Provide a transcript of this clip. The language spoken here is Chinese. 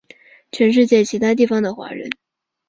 全世界其他地方的华人